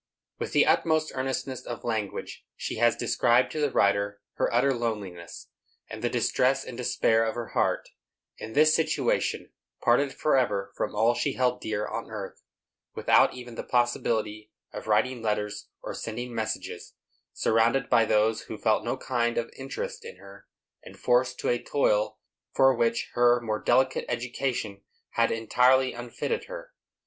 With the utmost earnestness of language she has described to the writer her utter loneliness, and the distress and despair of her heart, in this situation, parted forever from all she held dear on earth, without even the possibility of writing letters or sending messages, surrounded by those who felt no kind of interest in her, and forced to a toil for which her more delicate education had entirely unfitted her.